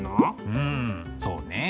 うんそうね。